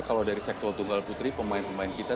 kalau dari sektor tunggal putri pemain pemain kita